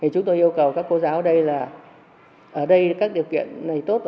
chúng tôi yêu cầu các cô giáo ở đây là ở đây các điều kiện này tốt